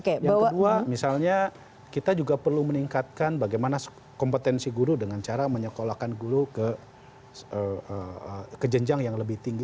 yang kedua misalnya kita juga perlu meningkatkan bagaimana kompetensi guru dengan cara menyekolahkan guru ke jenjang yang lebih tinggi